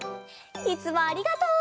いつもありがとう！